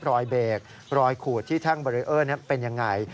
รอยเบรกรอยขูดที่ทางบริเออร์เป็นอย่างไร